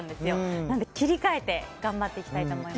なので、切り替えて頑張っていきたいと思います。